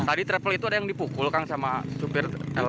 tadi travel itu ada yang dipukul kan sama sopir elf